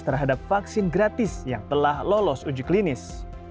terhadap vaksin gratis yang telah lolos uji klinis